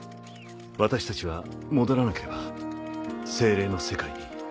「私たちは戻らなければ精霊の世界に」。